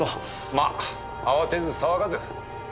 まあ慌てず騒がず。